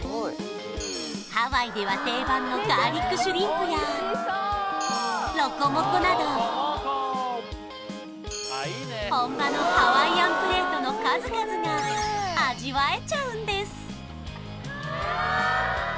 ハワイでは定番のガーリックシュリンプやロコモコなど本場のハワイアンプレートの数々が味わえちゃうんです